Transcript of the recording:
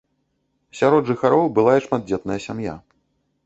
Сярод жыхароў была і шматдзетная сям'я.